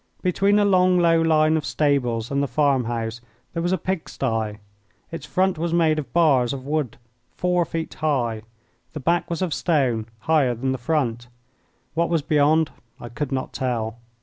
Between a long, low line of stables and the farm house there was a pig sty. Its front was made of bars of wood four feet high; the back was of stone, higher than the front. What was beyond I could not tell.